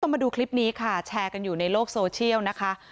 มาดูคลิปนี้ค่ะแชร์กันอยู่ในโลกโซเชียลนะคะ